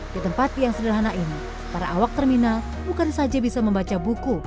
di tempat yang sederhana ini para awak terminal bukan saja bisa membaca buku